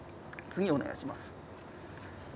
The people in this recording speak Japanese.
次お願いします。